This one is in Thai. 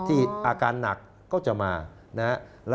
อาการหนักก็จะมานะครับ